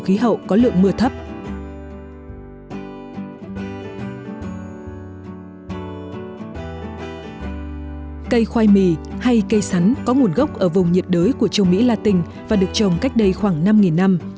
khoai mì hay cây sắn có nguồn gốc ở vùng nhiệt đới của châu mỹ latin và được trồng cách đây khoảng năm năm